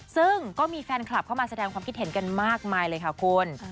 ซึ่งก็มีแฟนคลับเข้ามาแสดงความคิดเห็นกันมากมายเลยค่ะคุณ